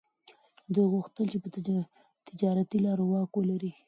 دوی غوښتل چي پر تجارتي لارو واک ولري.